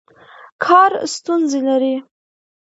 کار ستونزې لري.